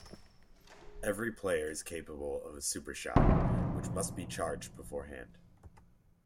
Every player is capable of a "super shot", which must be charged beforehand.